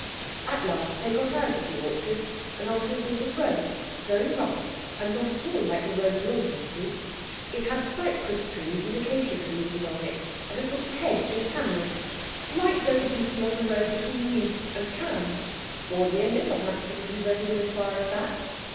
At last they got out of the orchards and on to a sort of road, very rough, and not at all like the roads you are used to. It had cypress trees and acacia trees along it, and a sort of hedge of tamarisks, like those you see on the road between Nice and Cannes, or near Littlehampton, if you've only been as far as that.